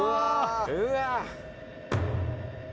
うわ！